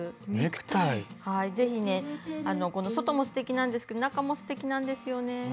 是非ねこの外もすてきなんですけど中もすてきなんですよね。